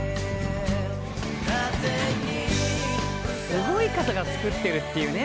すごい方が作ってるっていうね